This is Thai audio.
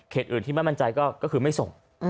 เขตอื่นที่มั่นใจก็คือไม่ส่ง